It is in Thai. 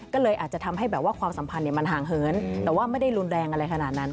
ก็เลยอาจจะทำให้แบบว่าความสัมพันธ์มันห่างเหินแต่ว่าไม่ได้รุนแรงอะไรขนาดนั้น